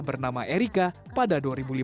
bernama erika pada dua ribu lima